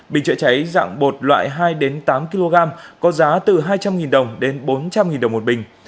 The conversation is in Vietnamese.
bình chữa cháy dạng bột loại hai đến tám kg có giá từ hai trăm linh nghìn đồng đến bốn trăm linh nghìn đồng một bình